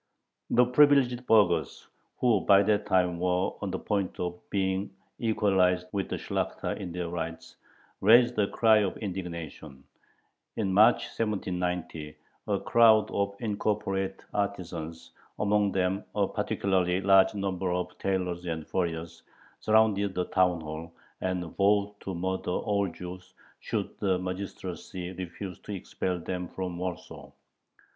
The privileged burghers, who by that time were on the point of being equalized with the Shlakhta in their rights, raised a cry of indignation. In March, 1790, a crowd of incorporated artisans, among them a particularly large number of tailors and furriers, surrounded the town hall, and vowed to murder all Jews, should the magistracy refuse to expel them from Warsaw.